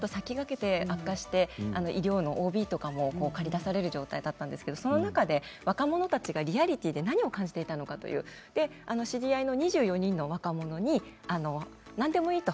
医療のＯＢとかもかり出される状態だったんですけれどその中で若者たちがリアリティーで何を感じていたのか知り合いの２４人の若者に何でもいいと。